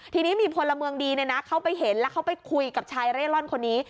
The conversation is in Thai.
ทีนี้มีพลเมืองดีเขาไปเห็นแล้วเขาไปคุยกับชายเร่ร่อนคนนี้